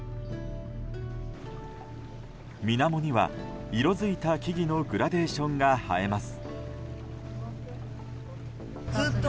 水面には色づいた木々のグラデーションが映えます。